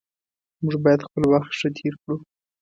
موږ باید خپل وخت ښه تیر کړو